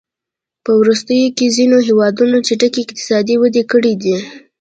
په وروستیو کې ځینو هېوادونو چټکې اقتصادي وده کړې ده.